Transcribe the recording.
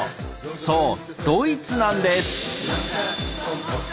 そうドイツなんです！